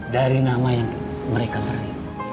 dari nama yang mereka beri